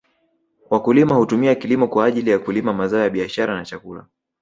Wakulima hutumia kilimo kwa ajili ya kulima mazao ya biashara na chakula